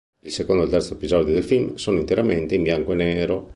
Il secondo e il terzo episodio del film sono interamente in bianco e nero.